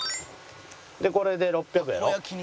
これで６００やろ。